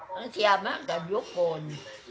น้องเจ้ามันก็ยุคโกน